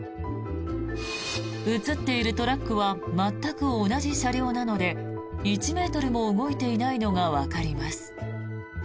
映っているトラックは全く同じ車両なので１ｍも動いていないのがわかります。